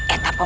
eh tak apa